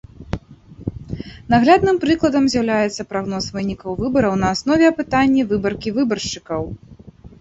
Наглядным прыкладам з'яўляецца прагноз вынікаў выбараў на аснове апытання выбаркі выбаршчыкаў.